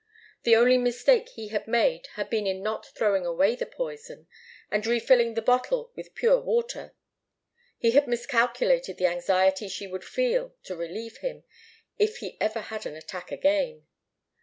The only mistake he had made had been in not throwing away the poison, and refilling the bottle with pure water. He had miscalculated the anxiety she would feel to relieve him, if he ever had an attack again.